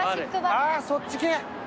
あーそっち系！